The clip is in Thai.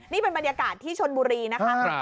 นี่เป็นบรรยากาศที่ชนบุรีนะคะ